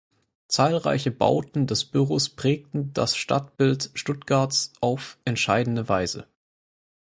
Zahlreiche Bauten des Büros prägen das Stadtbild Stuttgarts auf entscheidende Weise.